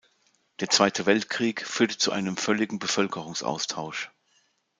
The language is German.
Der Zweite Weltkrieg führte zu einem völligen Bevölkerungsaustausch.